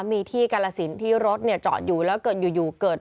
มีที่กาลสินที่ที่รถจอดอยู่แล้วเกิดอยู่